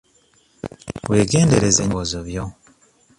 Weegendereze nnyo ebirowoozo byo.